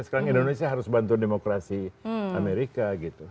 sekarang indonesia harus bantu demokrasi amerika gitu